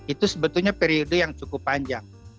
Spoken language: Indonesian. itu sebetulnya periode yang cukup panjang